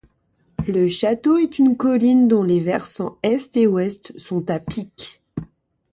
Le château est une colline dont les versant est et ouest sont à pic.